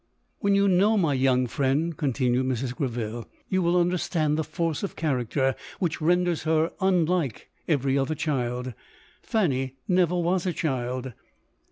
" When you know my young friend, 11 con tinued Mrs. Greville, " you will understand the force of character which renders her unlike every other child. Fanny never was a child.